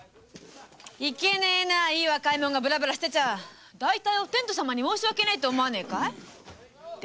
いけねえな若い者がブラブラしていちゃ天道様に申し訳ないと思わないかい。